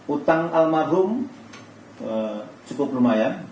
utang almarhum cukup lumayan